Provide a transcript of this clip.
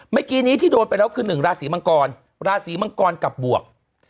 เมื่อกี้นี้ที่โดนไปแล้วคือ๑ราศีมังกรราศีมังกรกับบวก